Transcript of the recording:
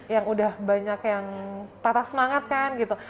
yang udah banyak yang patah semangat kan gitu